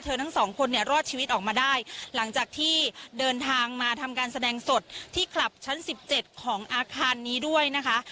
ทั้งสองคนเนี่ยรอดชีวิตออกมาได้หลังจากที่เดินทางมาทำการแสดงสดที่คลับชั้นสิบเจ็ดของอาคารนี้ด้วยนะคะ